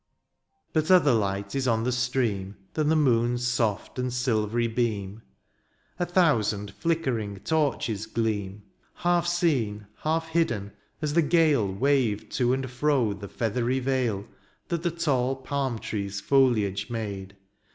But other light is on the stream Than the moon's soft and silvery beam ; A thousand flickering torches gleam. Half seen, half hidden, as the gale Waved to and fro the feathery veil That the tall palm trees' foliage made.